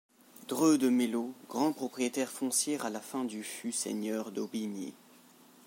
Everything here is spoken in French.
Dreux de Mello, grand propriétaire foncier à la fin du fut seigneur d'Aubigny.